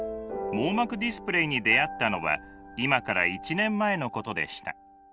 網膜ディスプレイに出会ったのは今から１年前のことでした。